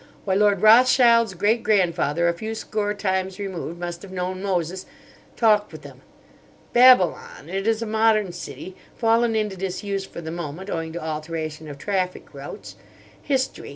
Why, Lord Rothschild's great grandfather, a few score times removed, must have known Moses, talked with him. Babylon! It is a modern city, fallen into disuse for the moment, owing to alteration of traffic routes. History!